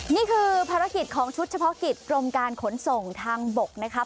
นี่คือภารกิจของชุดเฉพาะกิจกรมการขนส่งทางบกนะครับ